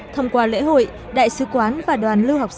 thông qua lễ hội đại sứ quán và đoàn lưu học sinh